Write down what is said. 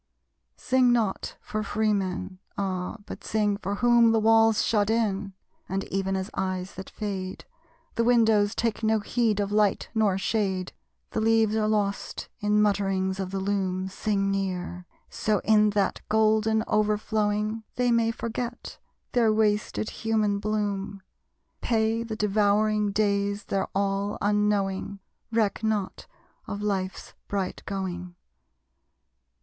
Sing not for free men. Ah, but sing for whom The walls shut in; and even as eyes that fade, The windows take no heed of light nor shade, The leaves are lost in mutterings of the loom. Sing near! So in that golden overflowing They may forget their wasted human bloom; Pay the devouring days their all, unknowing. Reck not of life's bright going!